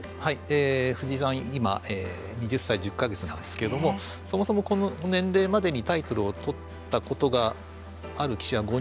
藤井さん今２０歳１０か月なんですけどもそもそもこの年齢までにタイトルを取ったことがある棋士は５人ほどなんですね。